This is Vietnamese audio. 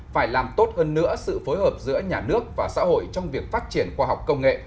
phải làm tốt hơn nữa sự phối hợp giữa nhà nước và xã hội trong việc phát triển khoa học công nghệ